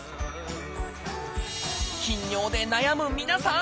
頻尿で悩む皆さん！